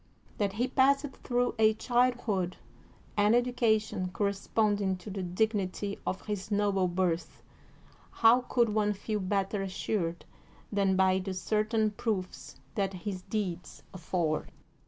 That he passed through a childhood and education cor responding to the dignity of his noble birth how could one feel better assured than by the certain proofs that his deeds afford?